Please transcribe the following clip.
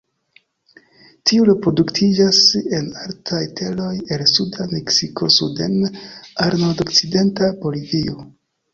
Tiu reproduktiĝas en altaj teroj el suda Meksiko suden al nordokcidenta Bolivio.